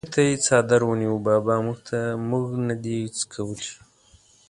خولې ته یې څادر ونیو: بابا مونږ نه دي څکولي!